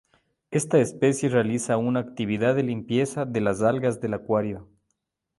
Esta especie realiza una actividad de limpieza de las algas del acuario.